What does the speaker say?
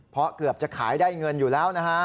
เพราะเกือบจะขายได้เงินอยู่แล้วนะฮะ